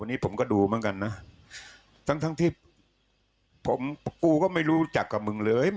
อันนี้ผมก็ดูเหมือนกันนะทั้งทั้งที่ผมกูก็ไม่รู้จักกับมึงเลย